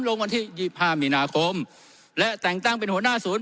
วันที่๒๕มีนาคมและแต่งตั้งเป็นหัวหน้าศูนย์